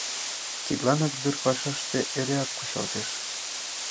Тидланак дыр пашаште эреак кучалтеш.